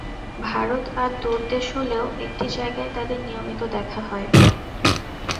ভারত আর দূরের দেশ হলেও একটি জায়গায় তাদের নিয়মিত দেখা হয়।